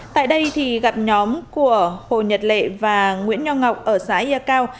tại đây thì gặp nhóm của hồ nhật lệ và nguyễn nho ngọc ở xã ya cao